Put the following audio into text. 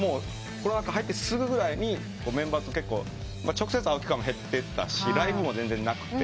コロナ禍入ってすぐぐらいにメンバーと直接会う機会も減ってったしライブも全然なくて。